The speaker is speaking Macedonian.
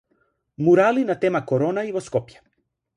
Мурали на тема Корона и во Скопје